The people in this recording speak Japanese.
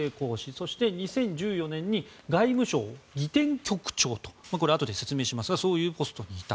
そして、２０１４年に外務省儀典局長これ、あとで説明しますがそういうポストにいた。